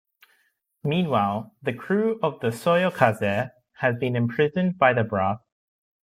Meanwhile, the crew of the Soyokaze has been imprisoned by the brass.